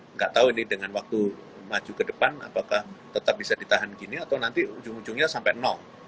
nggak tahu ini dengan waktu maju ke depan apakah tetap bisa ditahan gini atau nanti ujung ujungnya sampai nol